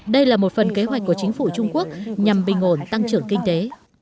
đây là một phần kế hoạch của chính phủ trung quốc nhằm bình ổn tăng trưởng kinh tế